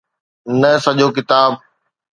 نه سڄو ڪتاب.